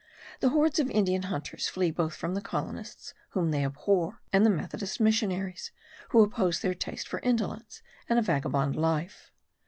The hordes of Indian hunters flee both from the colonists, whom they abhor, and the methodist missionaries, who oppose their taste for indolence and a vagabond life.